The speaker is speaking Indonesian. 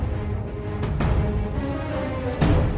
wah di sini